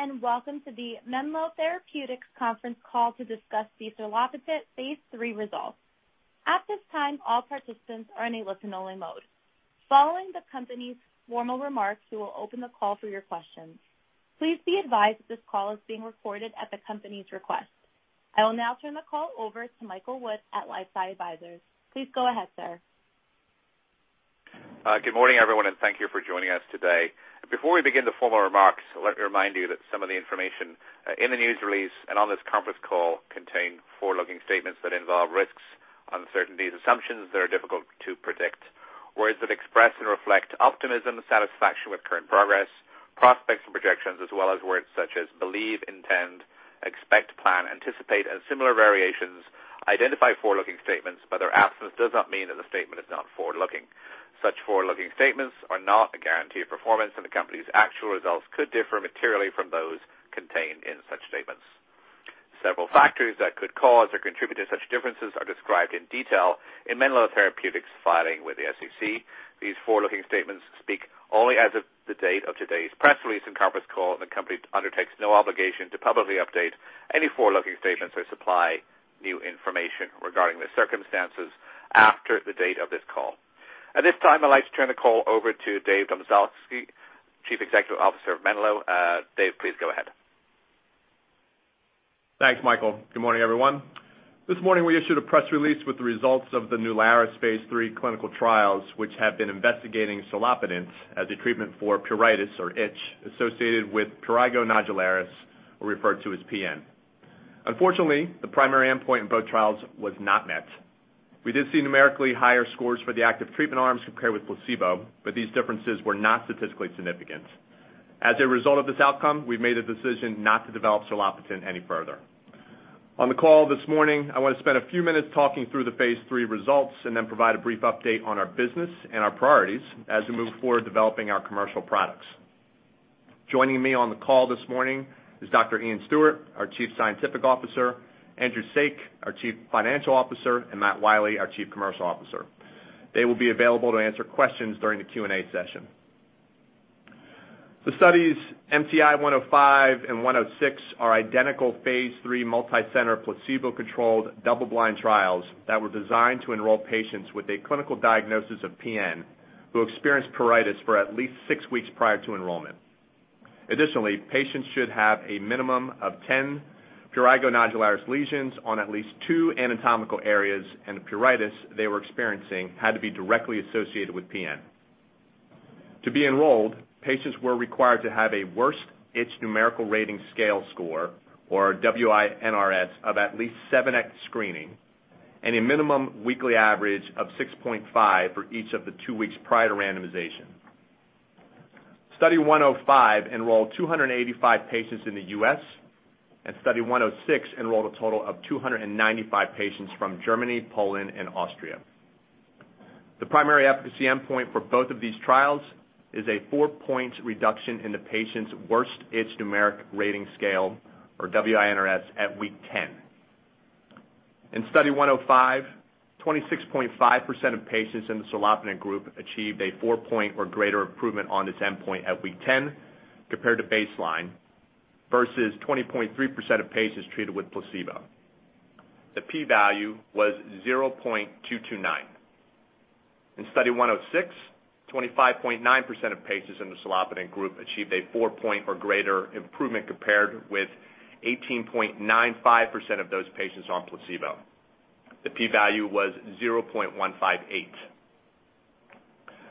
Good morning, welcome to the Menlo Therapeutics conference call to discuss the serlopitant phase III results. At this time, all participants are in a listen-only mode. Following the company's formal remarks, we will open the call for your questions. Please be advised that this call is being recorded at the company's request. I will now turn the call over to Michael Wood at LifeSci Advisors. Please go ahead, sir. Good morning, everyone, and thank you for joining us today. Before we begin the formal remarks, let me remind you that some of the information in the news release and on this conference call contain forward-looking statements that involve risks, uncertainties, assumptions that are difficult to predict. Words that express and reflect optimism, satisfaction with current progress, prospects for projections, as well as words such as believe, intend, expect, plan, anticipate, and similar variations identify forward-looking statements, but their absence does not mean that the statement is not forward-looking. Such forward-looking statements are not a guarantee of performance, and the company's actual results could differ materially from those contained in such statements. Several factors that could cause or contribute to such differences are described in detail in Menlo Therapeutics' filing with the SEC. These forward-looking statements speak only as of the date of today's press release and conference call, and the company undertakes no obligation to publicly update any forward-looking statements or supply new information regarding the circumstances after the date of this call. At this time, I'd like to turn the call over to David Domzalski, Chief Executive Officer of Menlo. Dave, please go ahead. Thanks, Michael. Good morning, everyone. This morning, we issued a press release with the results of the NEULARIS phase III clinical trials, which have been investigating serlopitant as a treatment for pruritus or itch associated with prurigo nodularis, or referred to as PN. Unfortunately, the primary endpoint in both trials was not met. We did see numerically higher scores for the active treatment arms compared with placebo, but these differences were not statistically significant. As a result of this outcome, we've made a decision not to develop serlopitant any further. On the call this morning, I want to spend a few minutes talking through the phase III results and then provide a brief update on our business and our priorities as we move forward developing our commercial products. Joining me on the call this morning is Dr. Iain Stuart, our Chief Scientific Officer, Andrew Saik, our Chief Financial Officer, and Matt Wiley, our Chief Commercial Officer. They will be available to answer questions during the Q&A session. The studies MCI-105 and 106 are identical phase III multi-center placebo-controlled double-blind trials that were designed to enroll patients with a clinical diagnosis of PN who experienced pruritus for at least six weeks prior to enrollment. Additionally, patients should have a minimum of 10 prurigo nodularis lesions on at least two anatomical areas, and the pruritus they were experiencing had to be directly associated with PN. To be enrolled, patients were required to have a worst itch numerical rating scale score, or WI-NRS, of at least seven at screening and a minimum weekly average of 6.5 for each of the two weeks prior to randomization. Study 105 enrolled 285 patients in the U.S., and Study 106 enrolled a total of 295 patients from Germany, Poland, and Austria. The primary efficacy endpoint for both of these trials is a four-point reduction in the patient's Worst Itch Numeric Rating Scale, or WI-NRS, at week 10. In Study 105, 26.5% of patients in the serlopitant group achieved a four-point or greater improvement on this endpoint at week 10 compared to baseline versus 20.3% of patients treated with placebo. The p-value was 0.229. In Study 106, 25.9% of patients in the serlopitant group achieved a four-point or greater improvement compared with 18.95% of those patients on placebo. The p-value was 0.158.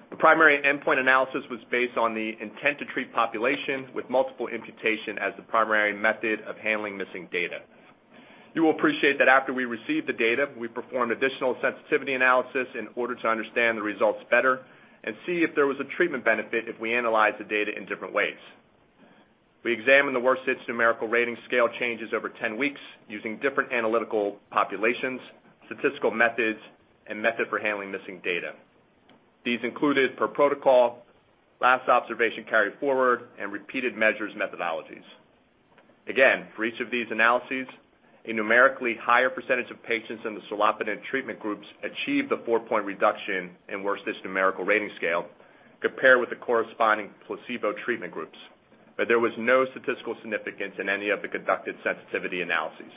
The primary endpoint analysis was based on the intent-to-treat population with multiple imputation as the primary method of handling missing data. You will appreciate that after we received the data, we performed additional sensitivity analysis in order to understand the results better and see if there was a treatment benefit if we analyzed the data in different ways. We examined the Worst Itch Numeric Rating Scale changes over 10 weeks using different analytical populations, statistical methods, and method for handling missing data. These included per protocol, last observation carried forward, and repeated measures methodologies. Again, for each of these analyses, a numerically higher percentage of patients in the serlopitant treatment groups achieved the four-point reduction in Worst Itch Numeric Rating Scale compared with the corresponding placebo treatment groups. There was no statistical significance in any of the conducted sensitivity analyses.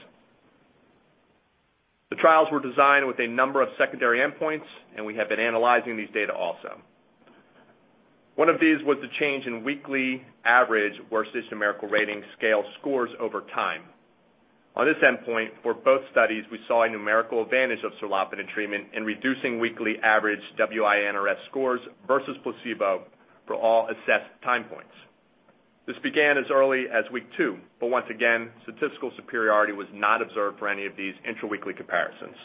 The trials were designed with a number of secondary endpoints, and we have been analyzing these data also. One of these was the change in weekly average Worst Itch Numeric Rating Scale scores over time. On this endpoint, for both studies, we saw a numerical advantage of serlopitant treatment in reducing weekly average WI-NRS scores versus placebo for all assessed time points. This began as early as week two. Once again, statistical superiority was not observed for any of these intra-weekly comparisons.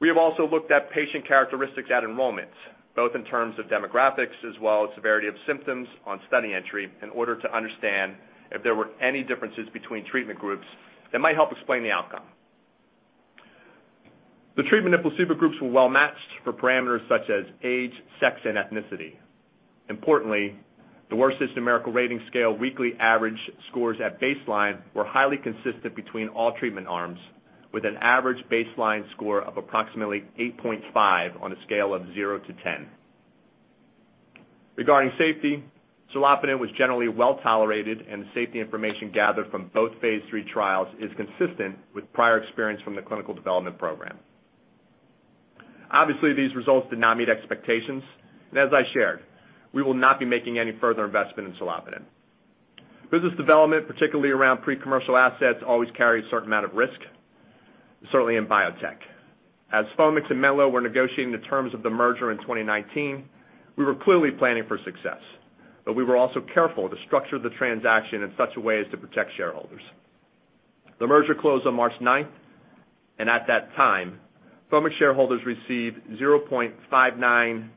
We have also looked at patient characteristics at enrollment, both in terms of demographics as well as severity of symptoms on study entry in order to understand if there were any differences between treatment groups that might help explain the outcome. The treatment and placebo groups were well-matched for parameters such as age, sex, and ethnicity. Importantly, the Worst Itch Numeric Rating Scale weekly average scores at baseline were highly consistent between all treatment arms. With an average baseline score of approximately 8.5 on a scale of zero to 10. Regarding safety, serlopitant was generally well-tolerated, and the safety information gathered from both phase III trials is consistent with prior experience from the clinical development program. Obviously, these results did not meet expectations, as I shared, we will not be making any further investment in serlopitant. Business development, particularly around pre-commercial assets, always carry a certain amount of risk, certainly in biotech. As Foamix and Menlo were negotiating the terms of the merger in 2019, we were clearly planning for success. We were also careful to structure the transaction in such a way as to protect shareholders. The merger closed on March 9th, at that time, Foamix shareholders received 0.5924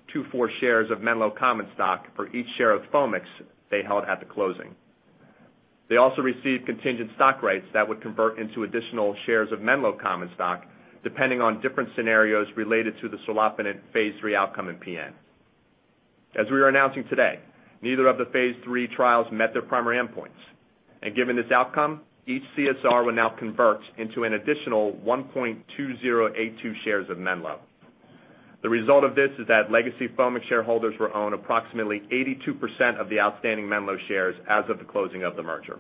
shares of Menlo common stock for each share of Foamix they held at the closing. They also received contingent stock rights that would convert into additional shares of Menlo common stock, depending on different scenarios related to the serlopitant phase III outcome in PN. As we are announcing today, neither of the phase III trials met their primary endpoints. Given this outcome, each CSR will now convert into an additional 1.2082 shares of Menlo. The result of this is that legacy Foamix shareholders will own approximately 82% of the outstanding Menlo shares as of the closing of the merger.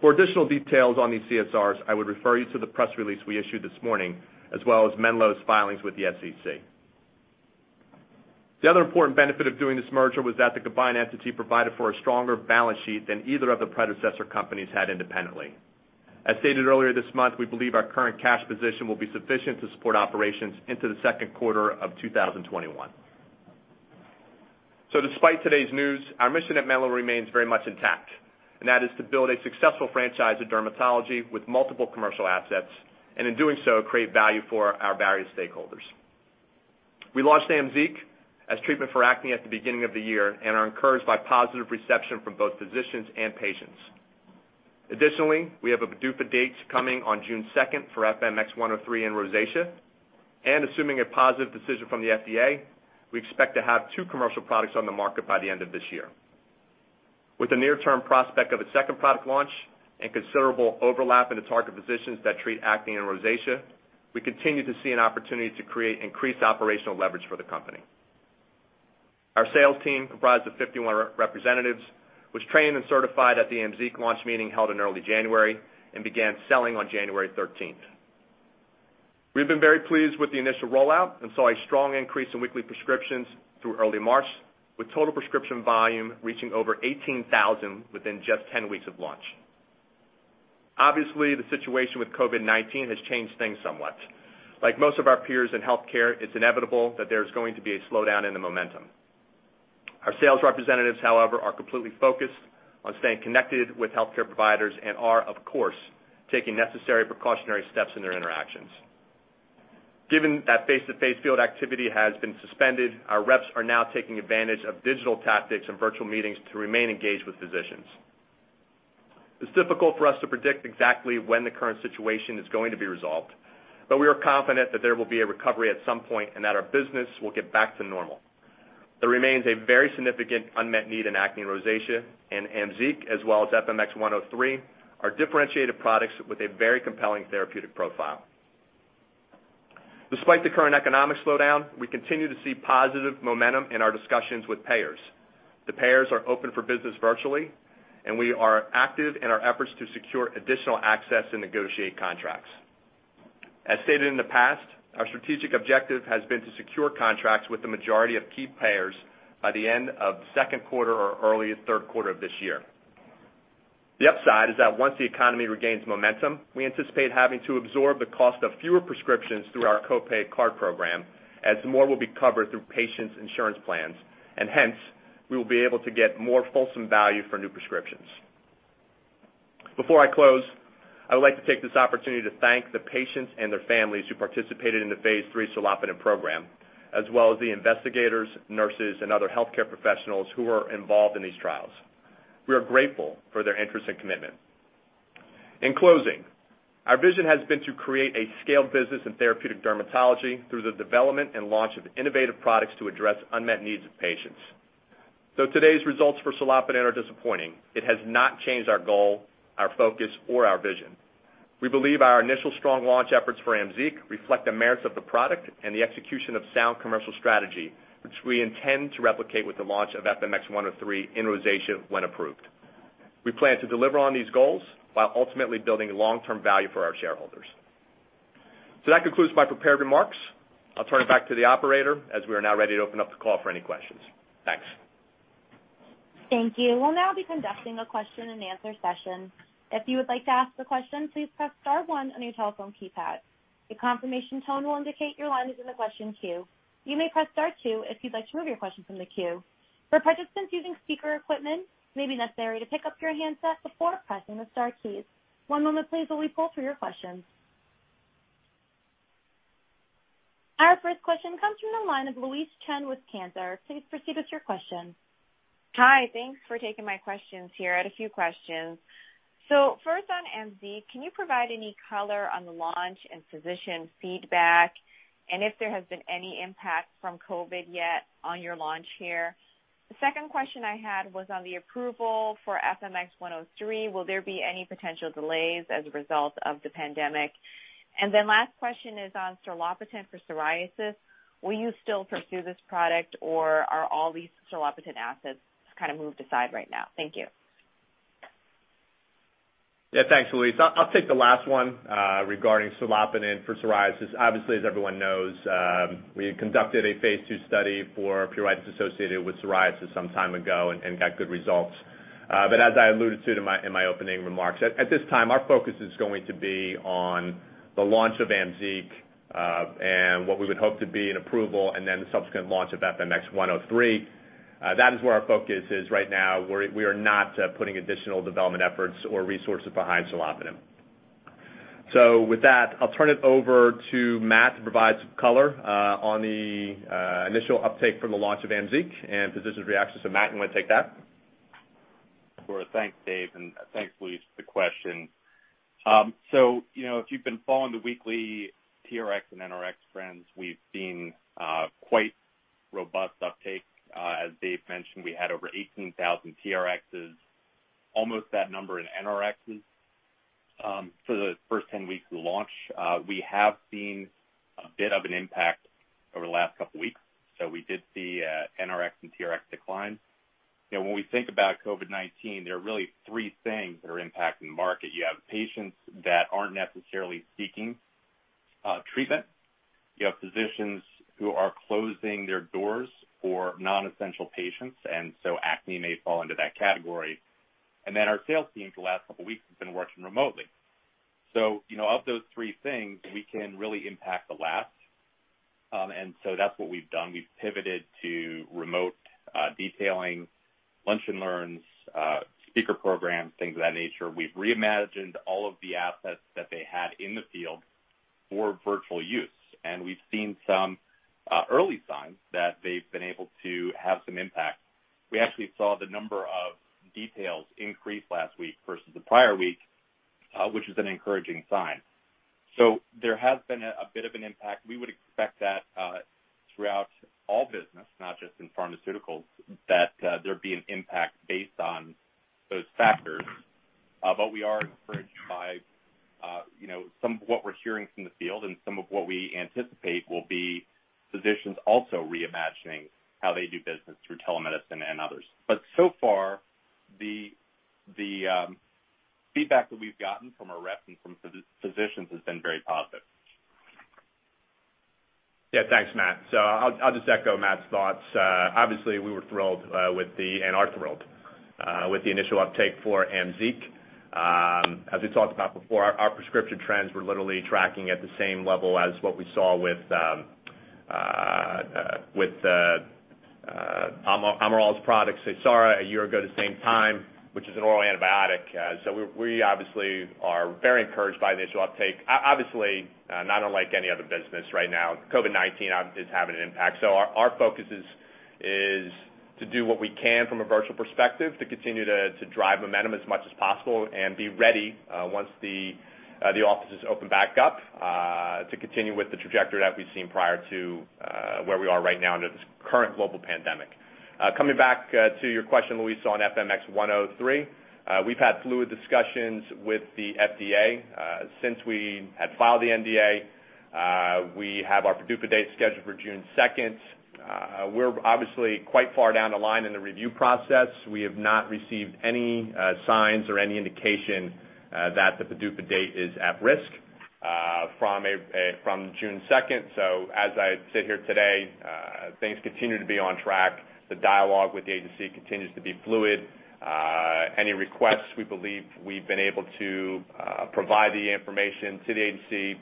For additional details on these CSRs, I would refer you to the press release we issued this morning, as well as Menlo's filings with the SEC. The other important benefit of doing this merger was that the combined entity provided for a stronger balance sheet than either of the predecessor companies had independently. As stated earlier this month, we believe our current cash position will be sufficient to support operations into the second quarter of 2021. Despite today's news, our mission at Menlo remains very much intact, and that is to build a successful franchise of dermatology with multiple commercial assets, and in doing so, create value for our various stakeholders. We launched AMZEEQ as treatment for acne at the beginning of the year and are encouraged by positive reception from both physicians and patients. Additionally, we have a PDUFA date coming on June 2nd for FMX103 in rosacea, and assuming a positive decision from the FDA, we expect to have two commercial products on the market by the end of this year. With the near-term prospect of a second product launch and considerable overlap in the target positions that treat acne and rosacea, we continue to see an opportunity to create increased operational leverage for the company. Our sales team, comprised of 51 representatives, was trained and certified at the AMZEEQ launch meeting held in early January and began selling on January 13th. We've been very pleased with the initial rollout and saw a strong increase in weekly prescriptions through early March, with total prescription volume reaching over 18,000 within just 10 weeks of launch. Obviously, the situation with COVID-19 has changed things somewhat. Like most of our peers in healthcare, it's inevitable that there's going to be a slowdown in the momentum. Our sales representatives, however, are completely focused on staying connected with healthcare providers and are, of course, taking necessary precautionary steps in their interactions. Given that face-to-face field activity has been suspended, our reps are now taking advantage of digital tactics and virtual meetings to remain engaged with physicians. It's difficult for us to predict exactly when the current situation is going to be resolved, but we are confident that there will be a recovery at some point and that our business will get back to normal. There remains a very significant unmet need in acne and rosacea, and AMZEEQ, as well as FMX103, are differentiated products with a very compelling therapeutic profile. Despite the current economic slowdown, we continue to see positive momentum in our discussions with payers. The payers are open for business virtually, and we are active in our efforts to secure additional access and negotiate contracts. As stated in the past, our strategic objective has been to secure contracts with the majority of key payers by the end of second quarter or early third quarter of this year. The upside is that once the economy regains momentum, we anticipate having to absorb the cost of fewer prescriptions through our co-pay card program, as more will be covered through patients' insurance plans, and hence, we will be able to get more fulsome value for new prescriptions. Before I close, I would like to take this opportunity to thank the patients and their families who participated in the Phase III serlopitant program, as well as the investigators, nurses, and other healthcare professionals who were involved in these trials. We are grateful for their interest and commitment. In closing, our vision has been to create a scaled business in therapeutic dermatology through the development and launch of innovative products to address unmet needs of patients. Though today's results for serlopitant are disappointing, it has not changed our goal, our focus, or our vision. We believe our initial strong launch efforts for AMZEEQ reflect the merits of the product and the execution of sound commercial strategy, which we intend to replicate with the launch of FMX103 in rosacea when approved. We plan to deliver on these goals while ultimately building long-term value for our shareholders. That concludes my prepared remarks. I'll turn it back to the operator, as we are now ready to open up the call for any questions. Thanks. Thank you. We'll now be conducting a question and answer session. If you would like to ask a question, please press star 1 on your telephone keypad. A confirmation tone will indicate your line is in the question queue. You may press star 2 if you'd like to remove your question from the queue. For participants using speaker equipment, it may be necessary to pick up your handset before pressing the star keys. One moment please while we pull through your questions. Our first question comes from the line of Louise Chen with Cantor. Please proceed with your question. Hi. Thanks for taking my questions here. I had a few questions. First on AMZEEQ, can you provide any color on the launch and physician feedback? If there has been any impact from COVID-19 yet on your launch here. The second question I had was on the approval for FMX103. Will there be any potential delays as a result of the pandemic? Last question is on serlopitant for psoriasis. Will you still pursue this product, or are all these serlopitant assets kind of moved aside right now? Thank you. Thanks, Louise. I'll take the last one regarding serlopitant for psoriasis. Obviously, as everyone knows, we had conducted a phase II study for pruritus associated with psoriasis some time ago and got good results. As I alluded to in my opening remarks, at this time, our focus is going to be on the launch of AMZEEQ and what we would hope to be an approval, and then the subsequent launch of FMX103. That is where our focus is right now. We are not putting additional development efforts or resources behind serlopitant. With that, I'll turn it over to Matt to provide some color on the initial uptake from the launch of AMZEEQ and physicians' reactions. Matt, you want to take that? Sure. Thanks, Dave, and thanks, Louise, for the question. If you've been following the weekly TRX and NRX trends, we've seen quite robust uptake. As Dave mentioned, we had over 18,000 TRXs, almost that number in NRXs, for the first 10 weeks of launch. We have seen a bit of an impact over the last couple of weeks. We did see NRX and TRX decline. When we think about COVID-19, there are really three things that are impacting the market. You have patients that aren't necessarily seeking treatment. You have physicians who are closing their doors for non-essential patients, and so acne may fall into that category. Our sales team, the last couple of weeks, has been working remotely. Of those three things, we can really impact the last, and so that's what we've done. We've pivoted to remote detailing, lunch and learns, speaker programs, things of that nature. We've reimagined all of the assets that they had in the field for virtual use. We've seen some early signs that they've been able to have some impact. We actually saw the number of details increase last week versus the prior week, which is an encouraging sign. There has been a bit of an impact. We would expect that throughout all business, not just in pharmaceuticals, that there'd be an impact based on those factors. We are encouraged by some of what we're hearing from the field and some of what we anticipate will be physicians also reimagining how they do business through telemedicine and others. So far, the feedback that we've gotten from our reps and from physicians has been very positive. Yeah, thanks, Matt. I'll just echo Matt's thoughts. Obviously, we were thrilled, and are thrilled, with the initial uptake for AMZEEQ. As we talked about before, our prescription trends were literally tracking at the same level as what we saw with Almirall's product, SEYSARA, a year ago the same time, which is an oral antibiotic. We obviously are very encouraged by the initial uptake. Obviously, not unlike any other business right now, COVID-19 is having an impact. Our focus is to do what we can from a virtual perspective to continue to drive momentum as much as possible and be ready once the offices open back up to continue with the trajectory that we've seen prior to where we are right now under this current global pandemic. Coming back to your question, Louise, on FMX103. We've had fluid discussions with the FDA. Since we had filed the NDA, we have our PDUFA date scheduled for June 2nd. We're obviously quite far down the line in the review process. We have not received any signs or any indication that the PDUFA date is at risk from June 2nd. As I sit here today, things continue to be on track. The dialogue with the agency continues to be fluid. Any requests, we believe we've been able to provide the information to the agency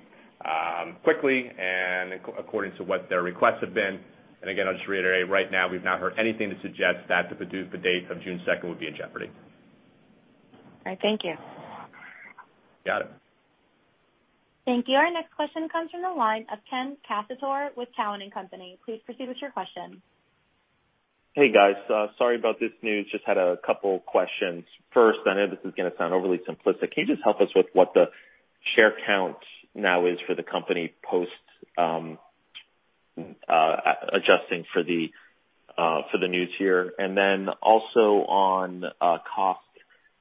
quickly and according to what their requests have been. Again, I'll just reiterate, right now, we've not heard anything to suggest that the PDUFA date of June 2nd would be in jeopardy. All right. Thank you. Got it. Thank you. Our next question comes from the line of Ken Cacciatore with Cowen and Company. Please proceed with your question. Hey, guys. Sorry about this news. Just had a couple questions. First, I know this is going to sound overly simplistic. Can you just help us with what the share count now is for the company post adjusting for the news here? Also on cost,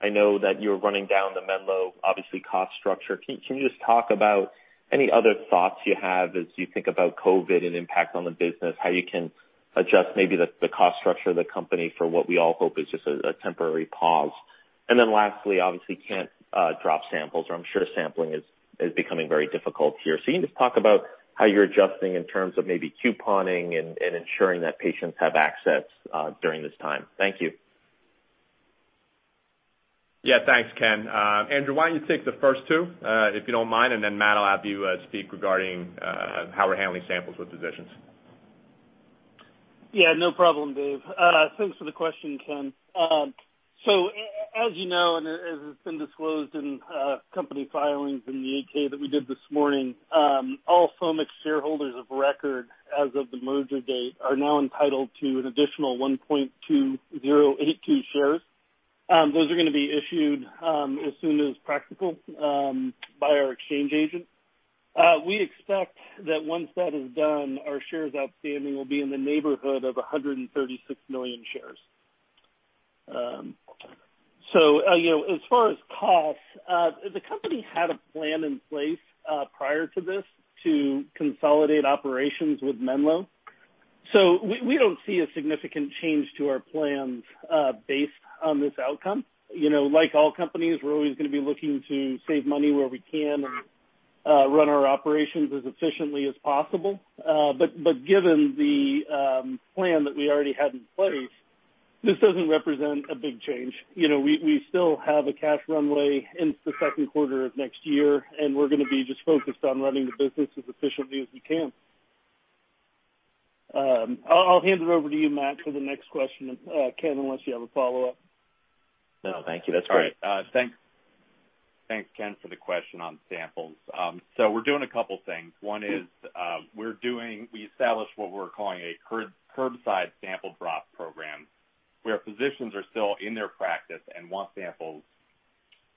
I know that you're running down the Menlo, obviously, cost structure. Can you just talk about any other thoughts you have as you think about COVID-19 and impact on the business, how you can adjust maybe the cost structure of the company for what we all hope is just a temporary pause? Lastly, obviously, can't drop samples, or I'm sure sampling is becoming very difficult here. Can you just talk about how you're adjusting in terms of maybe couponing and ensuring that patients have access during this time? Thank you. Yeah. Thanks, Ken. Andrew, why don't you take the first two, if you don't mind, and then, Matt, I'll have you speak regarding how we're handling samples with physicians. Yeah, no problem, Dave. Thanks for the question, Ken. As you know, and as has been disclosed in company filings in the 8-K that we did this morning all Foamix shareholders of record as of the merger date are now entitled to an additional 1.2082 shares. Those are going to be issued as soon as practical by our exchange agent. We expect that once that is done, our shares outstanding will be in the neighborhood of 136 million shares. As far as costs, the company had a plan in place prior to this to consolidate operations with Menlo. We don't see a significant change to our plans based on this outcome. Like all companies, we're always going to be looking to save money where we can and run our operations as efficiently as possible. Given the plan that we already had in place, this doesn't represent a big change. We still have a cash runway into the second quarter of next year, and we're going to be just focused on running the business as efficiently as we can. I'll hand it over to you, Matt, for the next question, Ken, unless you have a follow-up. No, thank you. That's great. All right. Thanks, Ken, for the question on samples. We're doing a couple things. One is we established what we're calling a curbside sample drop program, where physicians are still in their practice and want samples.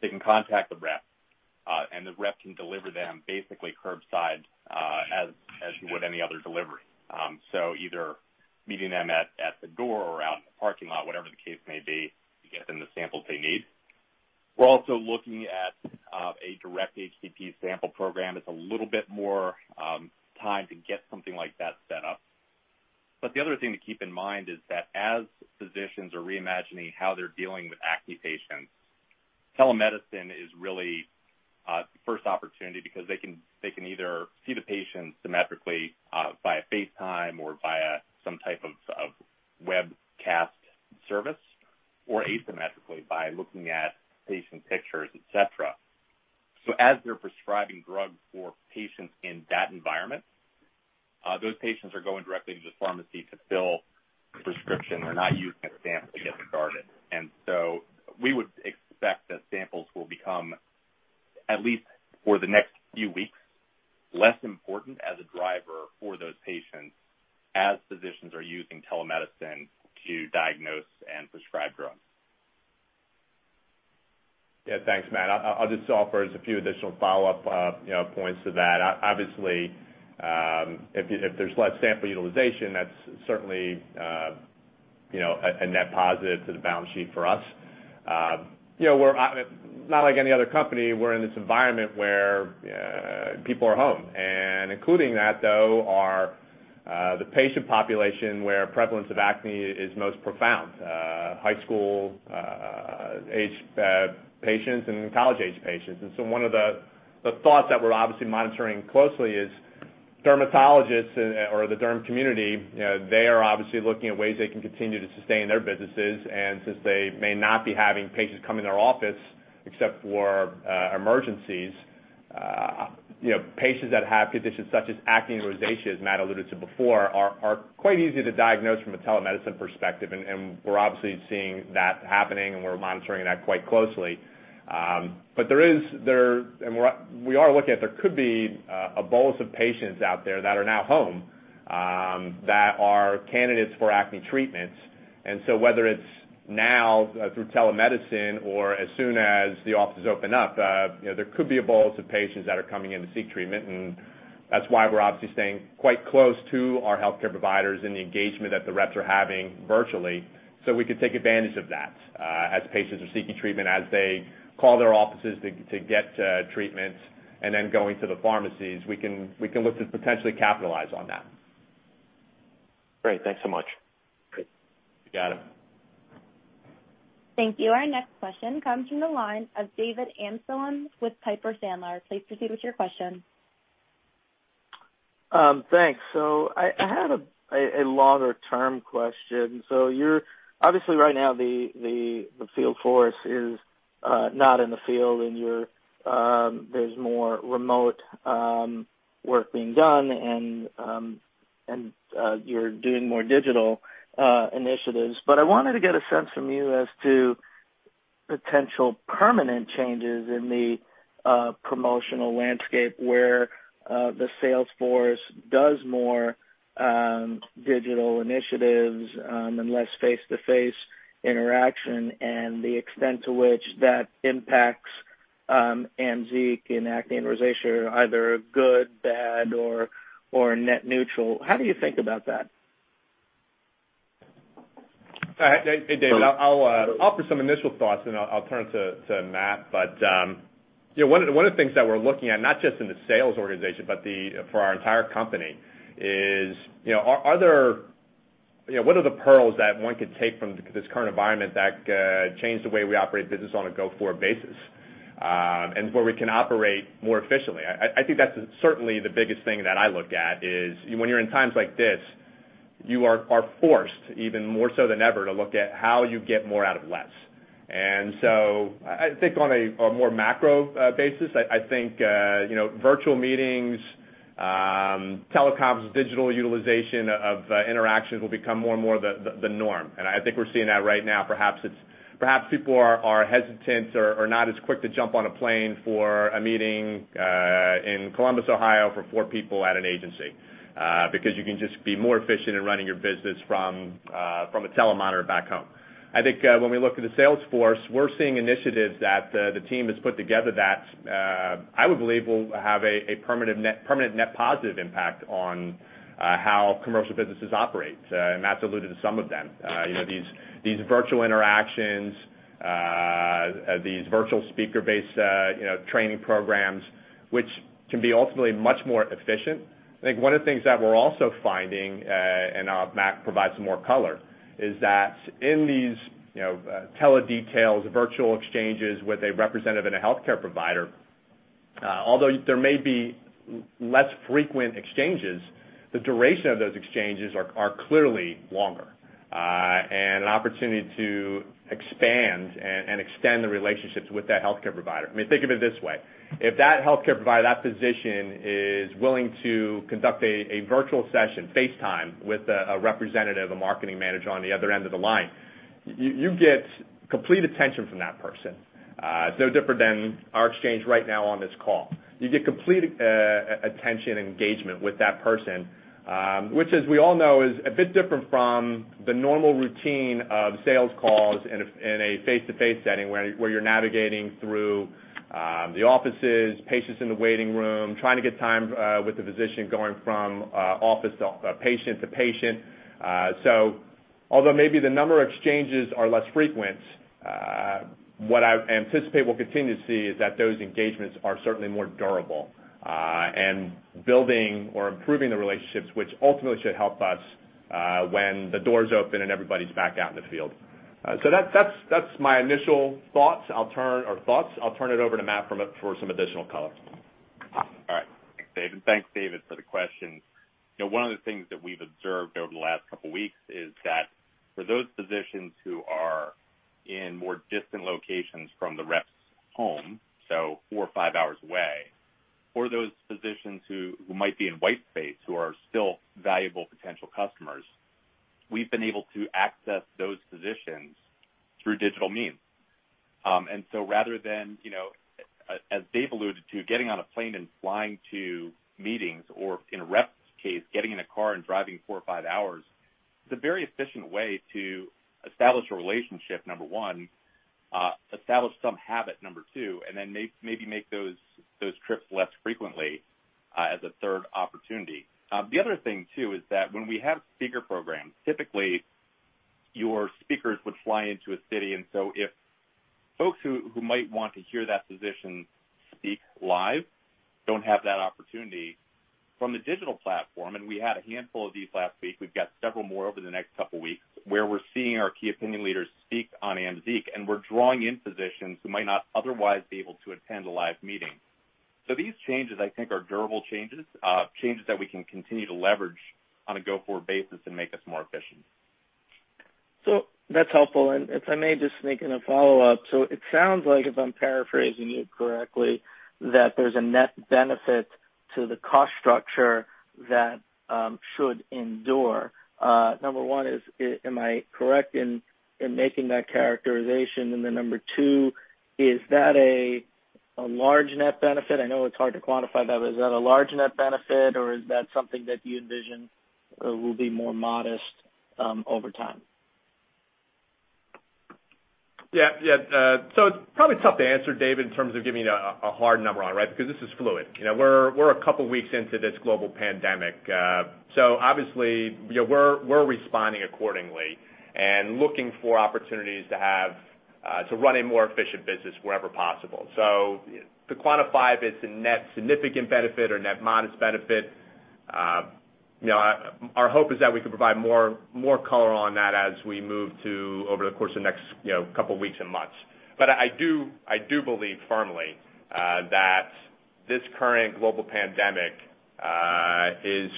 They can contact the rep, and the rep can deliver them basically curbside as you would any other delivery. Either meeting them at the door or out in the parking lot, whatever the case may be, to get them the samples they need. We're also looking at a direct HCP sample program. It's a little bit more time to get something like that set up. The other thing to keep in mind is that as physicians are reimagining how they're dealing with acne patients, telemedicine is really the first opportunity because they can either see the patient symmetrically via FaceTime or via some type of webcast service, or asymmetrically by looking at patient pictures, et cetera. As they're prescribing drugs for patients in that environment, those patients are going directly to the pharmacy to fill prescription. They're not using a sample to get started. We would expect that samples will become, at least for the next few weeks, less important as a driver for those patients as physicians are using telemedicine to diagnose and prescribe drugs. Yeah, thanks, Matt. I'll just offer a few additional follow-up points to that. Obviously, if there's less sample utilization, that's certainly a net positive to the balance sheet for us. Not like any other company, we're in this environment where people are home and including that, though, are the patient population where prevalence of acne is most profound. High school-aged patients and college-age patients. One of the thoughts that we're obviously monitoring closely is dermatologists or the derm community, they are obviously looking at ways they can continue to sustain their businesses. Since they may not be having patients come in their office except for emergencies, patients that have conditions such as acne or rosacea, as Matt alluded to before, are quite easy to diagnose from a telemedicine perspective. We're obviously seeing that happening, and we're monitoring that quite closely. We are looking at there could be a bolus of patients out there that are now home, that are candidates for acne treatments. Whether it's now through telemedicine or as soon as the offices open up, there could be a bolus of patients that are coming in to seek treatment. That's why we're obviously staying quite close to our healthcare providers and the engagement that the reps are having virtually, so we could take advantage of that as patients are seeking treatment, as they call their offices to get treatment, and then going to the pharmacies. We can look to potentially capitalize on that. Great. Thanks so much. You got it. Thank you. Our next question comes from the line of David Amsellem with Piper Sandler. Please proceed with your question. Thanks. I had a longer-term question. Obviously right now the field force is not in the field and there's more remote work being done and you're doing more digital initiatives. I wanted to get a sense from you as to potential permanent changes in the promotional landscape where the sales force does more digital initiatives and less face-to-face interaction and the extent to which that impacts AMZEEQ in acne and rosacea, either good, bad, or net neutral. How do you think about that? Hey, David, I'll offer some initial thoughts, then I'll turn it to Matt. One of the things that we're looking at, not just in the sales organization, but for our entire company is, what are the pearls that one could take from this current environment that change the way we operate business on a go-forward basis, and where we can operate more efficiently? I think that's certainly the biggest thing that I look at is when you're in times like this, you are forced even more so than ever to look at how you get more out of less. I think on a more macro basis, I think, virtual meetings, telecoms, digital utilization of interactions will become more and more the norm. I think we're seeing that right now. Perhaps people are hesitant or are not as quick to jump on a plane for a meeting in Columbus, Ohio for four people at an agency because you can just be more efficient in running your business from a telemonitor back home. I think when we look at the sales force, we're seeing initiatives that the team has put together that I would believe will have a permanent net positive impact on how commercial businesses operate. Matt's alluded to some of them. These virtual interactions, these virtual speaker-based training programs, which can be ultimately much more efficient. I think one of the things that we're also finding, and Matt provide some more color, is that in these tele details, virtual exchanges with a representative and a healthcare provider, although there may be less frequent exchanges, the duration of those exchanges are clearly longer. An opportunity to expand and extend the relationships with that healthcare provider. I mean, think of it this way, if that healthcare provider, that physician, is willing to conduct a virtual session, FaceTime, with a representative, a marketing manager on the other end of the line, you get complete attention from that person. It's no different than our exchange right now on this call. You get complete attention and engagement with that person, which as we all know, is a bit different from the normal routine of sales calls in a face-to-face setting, where you're navigating through the offices, patients in the waiting room, trying to get time with the physician, going from office patient to patient. Although maybe the number of exchanges are less frequent, what I anticipate we'll continue to see is that those engagements are certainly more durable. Building or improving the relationships, which ultimately should help us when the doors open and everybody's back out in the field. That's my initial thoughts. I'll turn it over to Matt for some additional color. All right. Thanks, David. Thanks, David, for the question. One of the things that we've observed over the last couple of weeks is that for those physicians who are in more distant locations from the rep's home, so four or five hours away, for those physicians who might be in white space, who are still valuable potential customers, we've been able to access those physicians through digital means. Rather than, as Dave alluded to, getting on a plane and flying to meetings or in a rep's case, getting in a car and driving four or five hours, it's a very efficient way to establish a relationship, number one, establish some habit, number two, and then maybe make those trips less frequently as a third opportunity. The other thing too is that when we have speaker programs, typically your speakers would fly into a city. If folks who might want to hear that physician speak live don't have that opportunity from the digital platform, and we had a handful of these last week, we've got several more over the next couple of weeks, where we're seeing our key opinion leaders speak on AMZEEQ, and we're drawing in physicians who might not otherwise be able to attend a live meeting. These changes, I think, are durable changes that we can continue to leverage on a go-forward basis and make us more efficient. That's helpful. If I may just make in a follow-up. It sounds like if I'm paraphrasing you correctly, that there's a net benefit to the cost structure that should endure. Number one is, am I correct in making that characterization? Then number two, is that a large net benefit? I know it's hard to quantify that, but is that a large net benefit or is that something that you envision will be more modest over time? Yeah. It's probably tough to answer, David, in terms of giving a hard number on it, right? Because this is fluid. We're a couple of weeks into this global pandemic. Obviously, we're responding accordingly and looking for opportunities to run a more efficient business wherever possible. To quantify if it's a net significant benefit or net modest benefit, our hope is that we can provide more color on that as we move to over the course of the next couple of weeks and months. I do believe firmly, that this current global pandemic is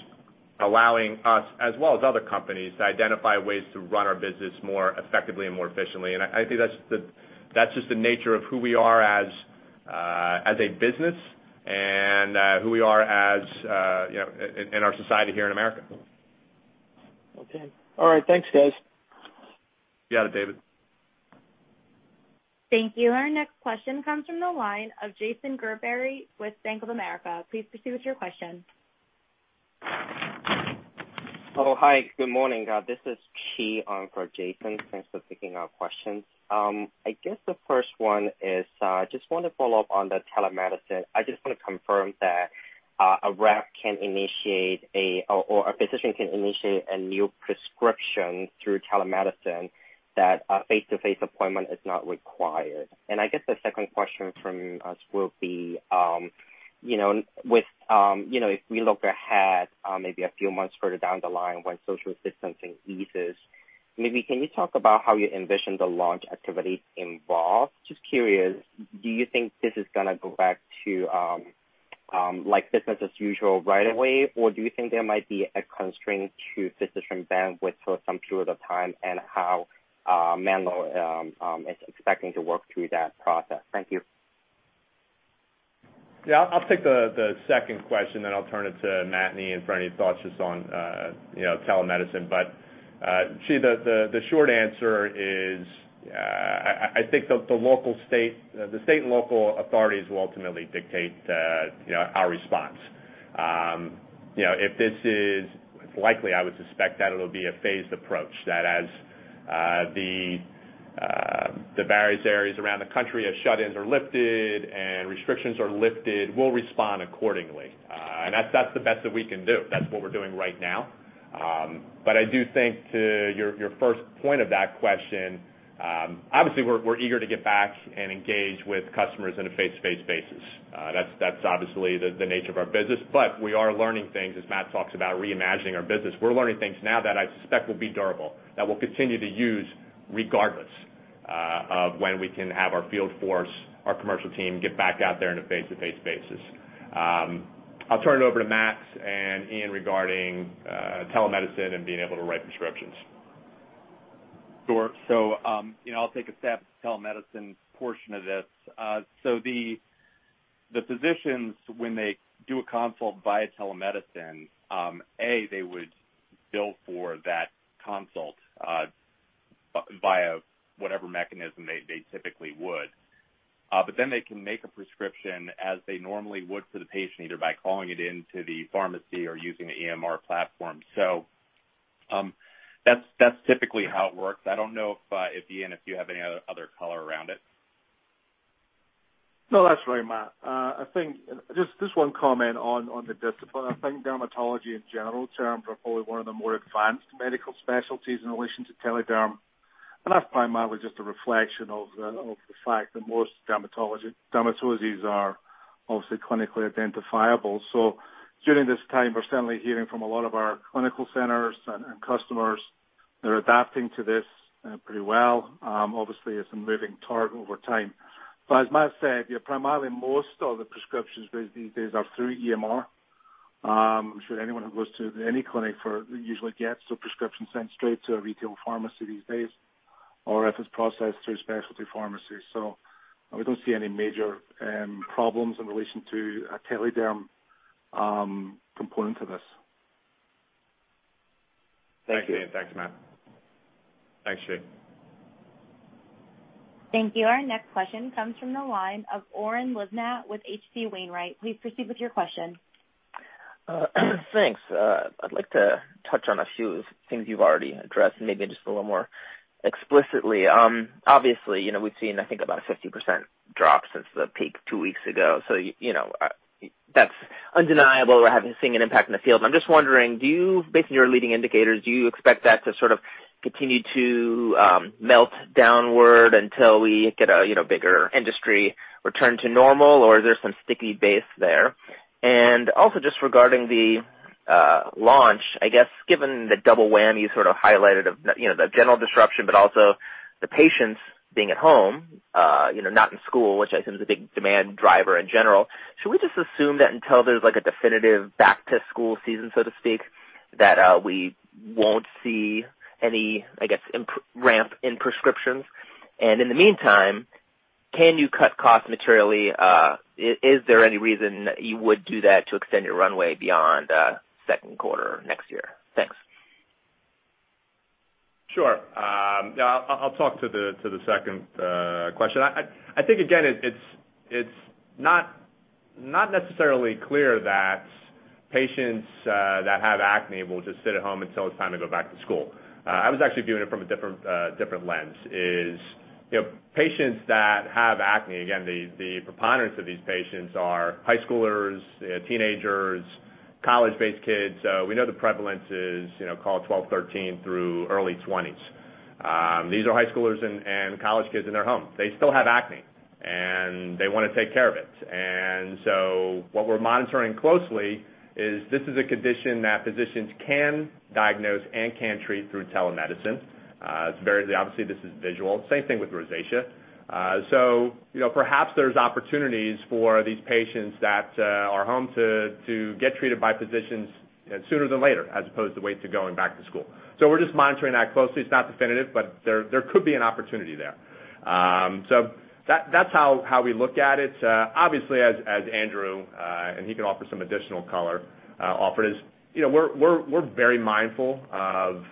allowing us, as well as other companies, to identify ways to run our business more effectively and more efficiently. I think that's just the nature of who we are as a business and who we are in our society here in America. Okay. All right. Thanks, guys. You got it, David. Thank you. Our next question comes from the line of Jason Gerberry with Bank of America. Please proceed with your question. Oh, hi. Good morning. This is Shane for Jason. Thanks for taking our questions. I guess the first one is, just want to follow up on the telemedicine. I just want to confirm that a rep can initiate a or a physician can initiate a new prescription through telemedicine that a face-to-face appointment is not required. I guess the second question from us will be, if we look ahead, maybe a few months further down the line when social distancing eases, maybe can you talk about how you envision the launch activity involved? Just curious, do you think this is going to go back to business as usual right away? Do you think there might be a constraint to physician bandwidth for some period of time and how Menlo Therapeutics is expecting to work through that process? Thank you. Yeah. I'll take the second question, then I'll turn it to Matt and Iain for any thoughts just on telemedicine. Shane, the short answer is, I think the state and local authorities will ultimately dictate our response. If this is likely, I would suspect that it'll be a phased approach, that as the various areas around the country as shut-ins are lifted and restrictions are lifted, we'll respond accordingly. That's the best that we can do. That's what we're doing right now. I do think to your first point of that question, obviously, we're eager to get back and engage with customers on a face-to-face basis. That's obviously the nature of our business, but we are learning things, as Matt talks about reimagining our business. We're learning things now that I suspect will be durable, that we'll continue to use regardless of when we can have our field force, our commercial team, get back out there on a face-to-face basis. I'll turn it over to Matt and Iain regarding telemedicine and being able to write prescriptions. Sure. I'll take a stab at the telemedicine portion of this. The physicians, when they do a consult via telemedicine, A, they would bill for that consult via whatever mechanism they typically would. They can make a prescription as they normally would for the patient, either by calling it into the pharmacy or using the EMR platform. That's typically how it works. I don't know, Iain, if you have any other color around it. No, that's right, Matt. Just one comment on the discipline. I think dermatology, in general terms, are probably one of the more advanced medical specialties in relation to Telederm. That's primarily just a reflection of the fact that most dermatoses are mostly clinically identifiable. During this time, we're certainly hearing from a lot of our clinical centers and customers. They're adapting to this pretty well. Obviously, it's a moving target over time. As Matt said, primarily most of the prescriptions these days are through EMR. I'm sure anyone who goes to any clinic usually gets a prescription sent straight to a retail pharmacy these days, or if it's processed through a specialty pharmacy. We don't see any major problems in relation to a Telederm component to this. Thanks, Iain. Thanks, Matt. Thanks, Shane. Thank you. Our next question comes from the line of Oren Livnat with H.C. Wainwright. Please proceed with your question. Thanks. I'd like to touch on a few things you've already addressed, maybe just a little more explicitly. We've seen, I think, about a 50% drop since the peak two weeks ago. That's undeniable. We're having to see an impact in the field. I'm just wondering, based on your leading indicators, do you expect that to sort of continue to melt downward until we get a bigger industry return to normal? Is there some sticky base there? Also just regarding the launch, I guess given the double whammy you sort of highlighted of the general disruption, but also the patients being at home, not in school, which I assume is a big demand driver in general, should we just assume that until there's like a definitive back to school season, so to speak, that we won't see any, I guess, ramp in prescriptions? In the meantime, can you cut costs materially? Is there any reason that you would do that to extend your runway beyond second quarter next year? Thanks. Sure. I'll talk to the second question. I think again, it's not necessarily clear that patients that have acne will just sit at home until it's time to go back to school. I was actually viewing it from a different lens is, patients that have acne, again, the preponderance of these patients are high schoolers, teenagers, college-based kids. We know the prevalence is call it 12, 13 through early 20s. These are high schoolers and college kids in their home. They still have acne, and they want to take care of it. What we're monitoring closely is this is a condition that physicians can diagnose and can treat through telemedicine. Obviously, this is visual. Same thing with rosacea. Perhaps there's opportunities for these patients that are home to get treated by physicians sooner than later, as opposed to wait to going back to school. We're just monitoring that closely. It's not definitive, but there could be an opportunity there. That's how we look at it. Obviously, as Andrew, and he can offer some additional color, offered is we're very mindful of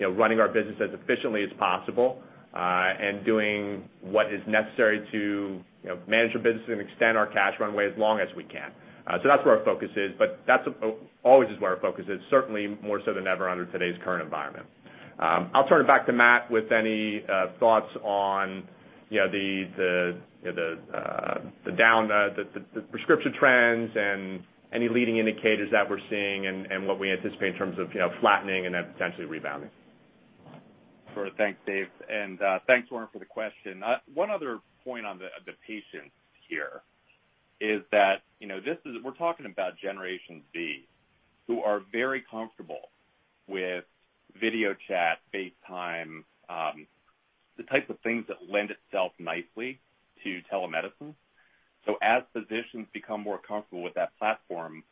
running our business as efficiently as possible, and doing what is necessary to manage our business and extend our cash runway as long as we can. That's where our focus is, but that's always is where our focus is, certainly more so than ever under today's current environment. I'll turn it back to Matt with any thoughts on the prescription trends and any leading indicators that we're seeing and what we anticipate in terms of flattening and then potentially rebounding. Sure. Thanks, Dave, and thanks, Oren, for the question. One other point on the patients here is that we're talking about Generation Z, who are very comfortable with video chat, FaceTime, the types of things that lend itself nicely to telemedicine. As physicians become more comfortable with that platform,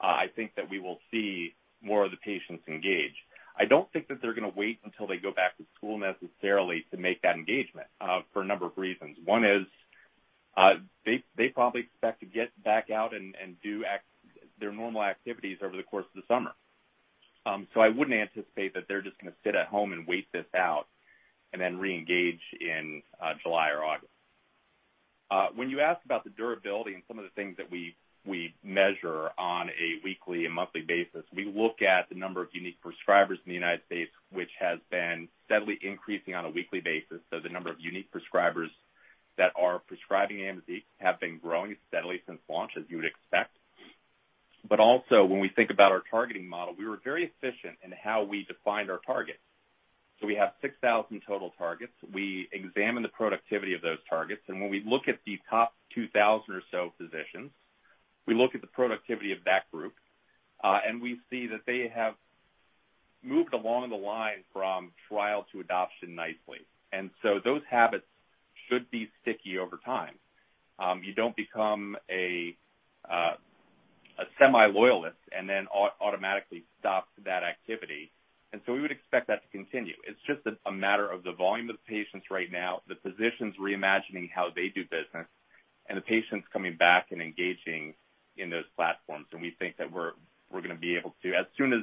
I think that we will see more of the patients engage. I don't think that they're going to wait until they go back to school necessarily to make that engagement for a number of reasons. One is, they probably expect to get back out and do their normal activities over the course of the summer. I wouldn't anticipate that they're just going to sit at home and wait this out and then re-engage in July or August. When you ask about the durability and some of the things that we measure on a weekly and monthly basis, we look at the number of unique prescribers in the U.S., which has been steadily increasing on a weekly basis. The number of unique prescribers that are prescribing AMZEEQ have been growing steadily since launch, as you would expect. When we think about our targeting model, we were very efficient in how we defined our targets. We have 6,000 total targets. We examine the productivity of those targets, and when we look at the top 2,000 or so physicians, we look at the productivity of that group, and we see that they have moved along the line from trial to adoption nicely. Those habits should be sticky over time. You don't become a semi-loyalist and then automatically stop that activity. We would expect that to continue. It's just a matter of the volume of patients right now, the physicians reimagining how they do business, and the patients coming back and engaging in those platforms. We think that we're going to be able to, as soon as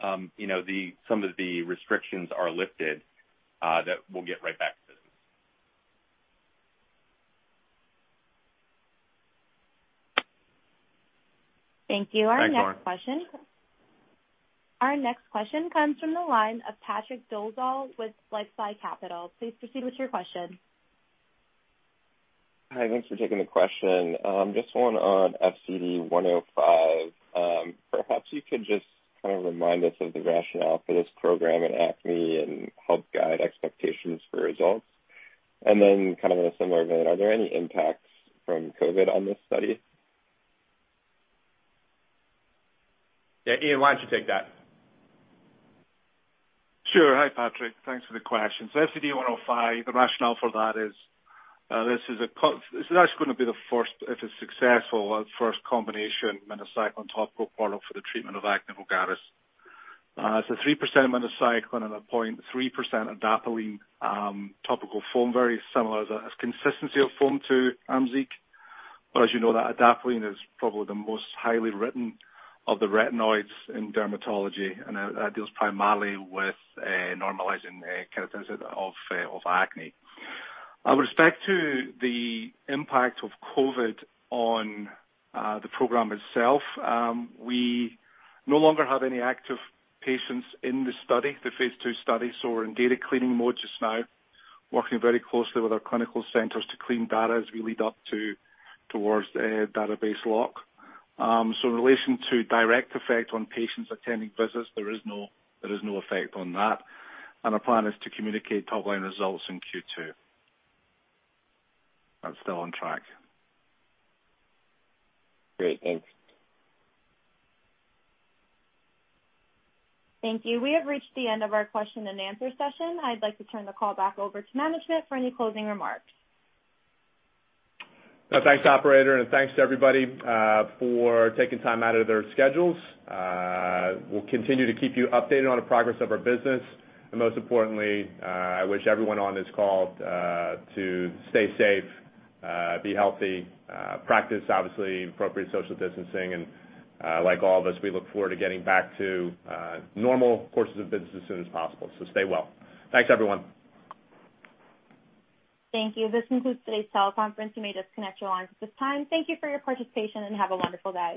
some of the restrictions are lifted, that we'll get right back to business. Thank you. Thanks, Oren. Our next question comes from the line of Patrick Dolezal with LifeSci Capital. Please proceed with your question. Hi, thanks for taking the question. Just one on FCD105. Perhaps you could just kind of remind us of the rationale for this program in acne and help guide expectations for results. Then kind of in a similar vein, are there any impacts from COVID on this study? Yeah, Iain, why don't you take that? Hi, Patrick. Thanks for the question. FCD105, the rationale for that is, this is actually going to be the first combination minocycline topical product for the treatment of acne vulgaris. It's a 3% minocycline and a 0.3% adapalene topical form, very similar as consistency of form to AMZEEQ. As you know, that adapalene is probably the most highly written of the retinoids in dermatology, and that deals primarily with normalizing keratinization of acne. With respect to the impact of COVID-19 on the program itself, we no longer have any active patients in the study, the phase II study. We're in data cleaning mode just now, working very closely with our clinical centers to clean data as we lead up towards database lock. In relation to direct effect on patients attending visits, there is no effect on that. Our plan is to communicate top-line results in Q2. That's still on track. Great. Thanks. Thank you. We have reached the end of our question-and-answer session. I'd like to turn the call back over to management for any closing remarks. Thanks, operator, and thanks to everybody for taking time out of their schedules. We'll continue to keep you updated on the progress of our business, and most importantly, I wish everyone on this call to stay safe, be healthy, practice, obviously, appropriate social distancing. Like all of us, we look forward to getting back to normal courses of business as soon as possible. Stay well. Thanks, everyone. Thank you. This concludes today's teleconference. You may disconnect your lines at this time. Thank you for your participation, and have a wonderful day.